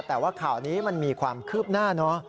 แต่ว่าข่าวนี้มันมีความคืบหน้าเนอะ